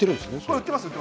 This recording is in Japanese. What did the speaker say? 売っています。